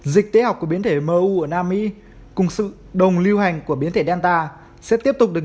dịch tế học của biến thể mu ở nam mỹ cùng sự đồng lưu hành của biến thể danta sẽ tiếp tục được